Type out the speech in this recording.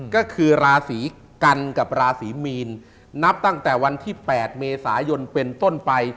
ก็คือราศีกันกับราศีมีนนับตั้งแต่วันที่๘เมษายนเป็นต้นไป